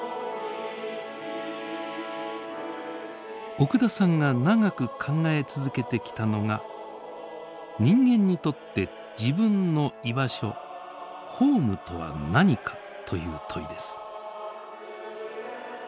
奥田さんが長く考え続けてきたのが「人間にとって自分の居場所ホームとは何か？」という問いです。